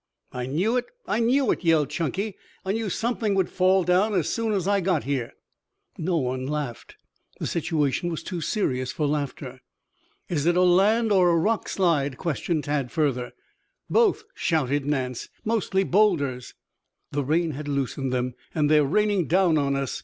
"I knew it! I knew it!" yelled Chunky. "I knew something would fall down as soon as I got here." No one laughed. The situation was too serious for laughter. "Is it a land or a rock slide?" questioned Tad further. "Both," shouted Nance. "Mostly boulders." The rain has loosened them and they are raining down on us.